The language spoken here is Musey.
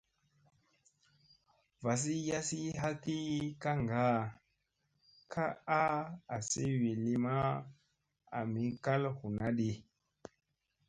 Vasi yassi ha ki kaŋgaa ka a asi wi li ma ami kal huuna di.